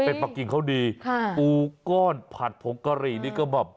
เห้ยเบ็ดป่ากกิ่งเขาดีค่ะปูก้อนผัดพมกรีนี่ก็แบบ